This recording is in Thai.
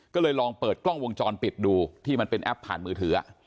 ก็เลยลองเปิดกล้องวงจรปิดดูที่มันเป็นแอปผ่านมือถือ